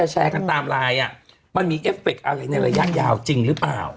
แชร์กันตามไลน์มันมีเอฟเฟคอะไรในระยะยาวจริงหรือเปล่า